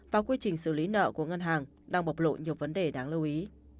và quy trình xử lý nợ của ngân hàng đang bộc lộ nhiều vấn đề đáng lưu ý